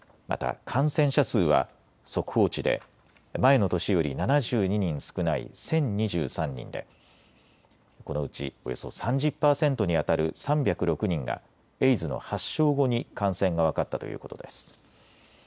また感染者数は速報値で前の年より７２人少ない１０２３人でこのうちおよそ３０％にあたる３０６人がエイズの発症後に感染が分かったということです。